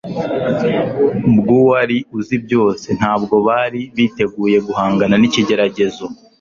bw'uwari uzi byose. Ntabwo bari biteguye guhangana n'ikigeragezo,